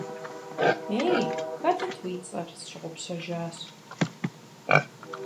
Ей, хэтыт уи цӏэр, сщыгъупщэжащ!